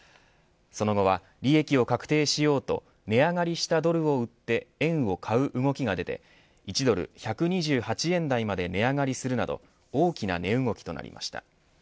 その後は、利益を確定しようと値上がりしたドルを売って円を買う動きが出て１ドル１２８円台まで値上がりするなど大きな値動きとなりました。